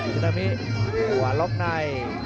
สุนามิรอบใน